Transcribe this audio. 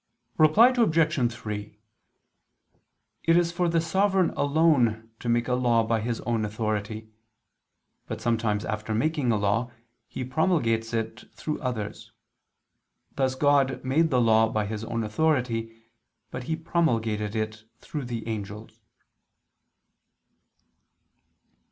Reply Obj. 3: It is for the sovereign alone to make a law by his own authority; but sometimes after making a law, he promulgates it through others. Thus God made the Law by His own authority, but He promulgated it through the angels.